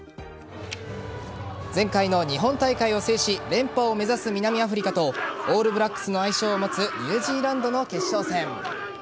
前回の日本大会を制し連覇を目指す南アフリカとオールブラックスの愛称を持つニュージーランドの決勝戦。